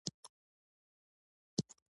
د حاصل د ښه والي لپاره د حشراتو کنټرول حیاتي دی.